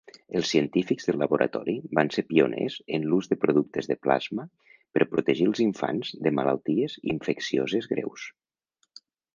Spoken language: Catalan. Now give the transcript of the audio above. Els científics del laboratori van ser pioners en l'ús de productes de plasma per protegir els infants de malalties infeccioses greus.